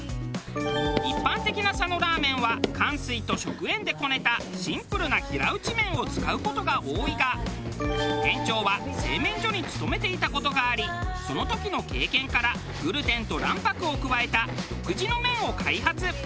一般的な佐野ラーメンはかんすいと食塩でこねたシンプルな平打ち麺を使う事が多いが店長は製麺所に勤めていた事がありその時の経験からグルテンと卵白を加えた独自の麺を開発。